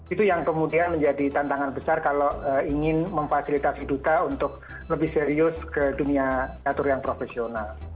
itu yang kemudian menjadi tantangan besar kalau ingin memfasilitasi duta untuk lebih serius ke dunia catur yang profesional